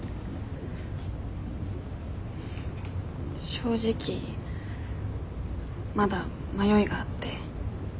正直まだ迷いがあって。